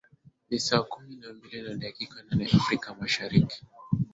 ni saa kumi na mbili na dakika nane afrika mashariki